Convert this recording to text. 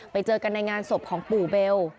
ไปเจอกันในงานศพของปู่เบล